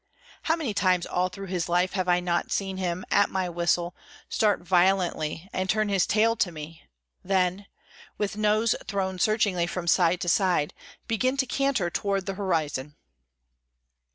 How many times all through his life have I not seen him, at my whistle, start violently and turn his tail to me, then, with nose thrown searchingly from side to side, begin to canter toward the horizon.